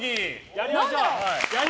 やりましょう！